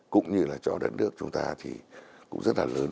cũng như là cho đất nước chúng ta thì cũng rất là lớn